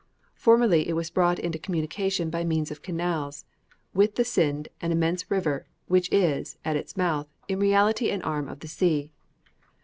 Formerly it was brought into communication by means of canals, with the Sind, an immense river, which is, at its mouth, in reality an arm of the sea.